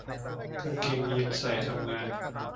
กางเกงยีนส์ใส่ทำงาน